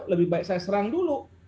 lebih baik saya serang dulu